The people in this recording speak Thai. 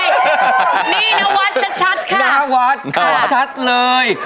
นี่นวัดชัดค่ะหน้าวัดชัดเลย